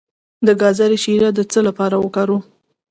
د ګازرې شیره د څه لپاره وکاروم؟